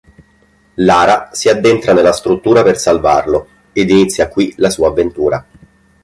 Lara si addentra nella struttura per salvarlo ed inizia qui la sua avventura.